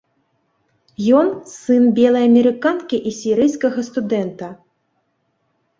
Ён сын белай амерыканкі і сірыйскага студэнта.